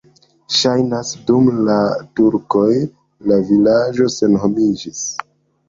Ŝajnas, dum la turkoj la vilaĝo senhomiĝis.